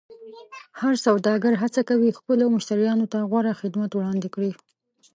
هر سوداګر هڅه کوي خپلو مشتریانو ته غوره خدمت وړاندې کړي.